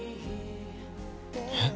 えっ？